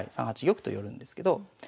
３八玉と寄るんですけど。